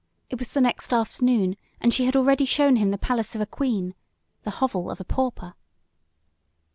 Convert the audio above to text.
It was the next afternoon, and she had already shown him the palace of a queen the hovel of a pauper!